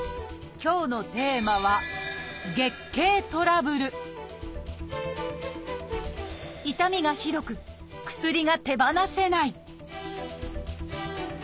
今日のテーマは痛みがひどく薬が手放せない！